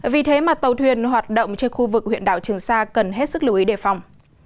vì thế mà tàu thuyền hoạt động trên khu vực huyện đảo trường sa cần hết sức lưu ý đề phòng